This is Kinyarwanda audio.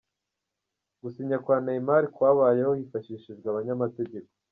Gusinya kwa Neymar kwabayeho hifashishijwe abanyamategeko.